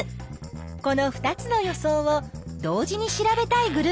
この２つの予想を同時に調べたいグループがあったよ。